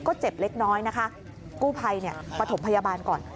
ก็เจ็บเล็กน้อยนะคะกู้ภัยเนี่ยปฐมพยาบาลก่อน